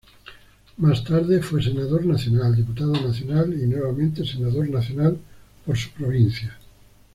Más tarde fue senador nacional, Diputado Nacional y nuevamente Senador Nacional por su provincia.